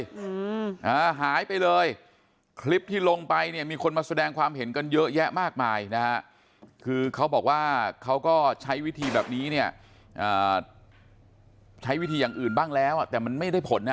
ใช้วิธีแบบนี้ก็เหมือนเขาบอกเขาเอาไปลงเพื่อให้คนเห็นใช้อย่างนี้ได้ผลนะ